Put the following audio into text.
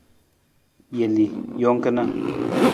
Jelii, jang kana.